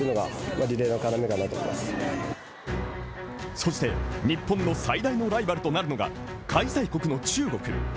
そして日本の最大のライバルとなるのが開催国の中国。